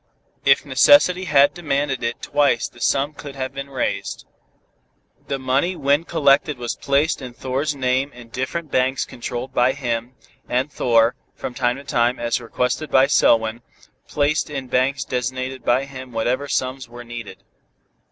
If necessity had demanded it twice the sum could have been raised. The money when collected was placed in Thor's name in different banks controlled by him, and Thor, from time to time, as requested by Selwyn, placed in banks designated by him whatever sums were needed.